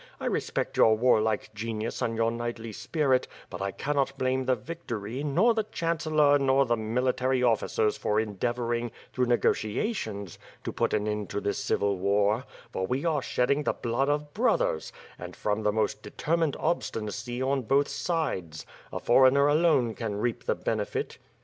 I respect your warlike genius and your knightly spirit, but I cannot blame the viceroy, nor the chancellor, nor the mili tary officers for endeavoring, through negotiations, to put an end to this civil war; for we are shedding the blood of brothers, and from the most determined obstinacy on both sides; a foreigner, alone, can reap the benefit."